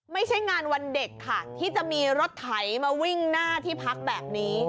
ไม่ใช่งานวันเด็กค่ะที่จะมีรถไถมาวิ่งหน้าที่พักแบบนี้